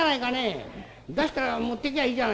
出したら持っていきゃいいじゃないか。